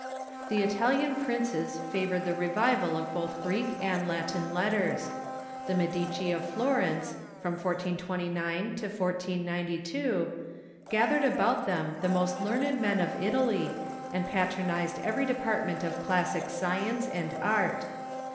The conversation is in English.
The Italian princes favored the revival of both Greek and Latin letters. The Medici of Florence, from 1429 to 1492, gathered about them the most learned men of Italy, and j^atronized every department of classic science and art.